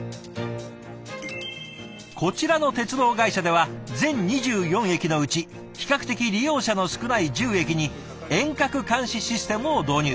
こちらの鉄道会社では全２４駅のうち比較的利用者の少ない１０駅に遠隔監視システムを導入。